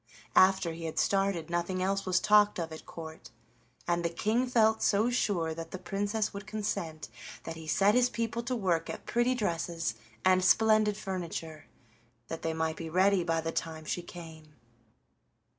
After he had started nothing else was talked of at Court, and the King felt so sure that the Princess would consent that he set his people to work at pretty dresses and splendid furniture, that they might be ready by the time she came.